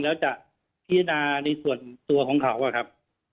แล้วจะพิจารณาในส่วนตัวของเขาอะครับ